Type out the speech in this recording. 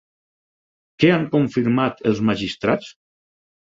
Què han confirmat els magistrats?